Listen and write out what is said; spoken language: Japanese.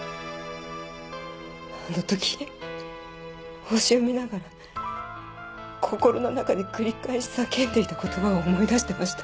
あの時星を見ながら心の中で繰り返し叫んでいた言葉を思い出してました。